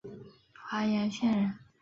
华阳县人。